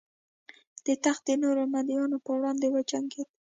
د تخت د نورو مدعیانو پر وړاندې وجنګېد.